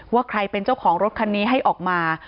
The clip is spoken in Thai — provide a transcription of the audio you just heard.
ว่าใครเป็นเจ้าของรถคันนี้ให้ออกมา